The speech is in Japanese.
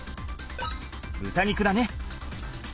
豚肉だね。